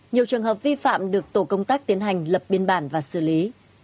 nhiều trường hợp vi phạm được tổ công tác tiến hành lập biên bản và xử lý